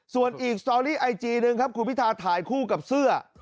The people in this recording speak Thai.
ส่วนอีกสตอรี่ไอจีหนึ่งครับคุณพิทาถ่ายคู่กับเสื้อ